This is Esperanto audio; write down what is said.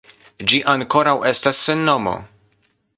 Ĝi ankoraŭ estas sen nomo.